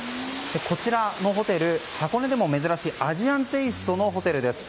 こちらのホテル、箱根でも珍しいアジアンテイストのホテルです。